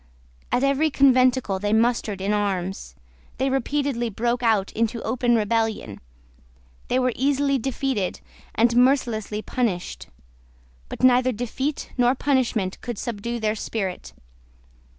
At every conventicle they mustered in arms. They repeatedly broke out into open rebellion. They were easily defeated, and mercilessly punished: but neither defeat nor punishment could subdue their spirit.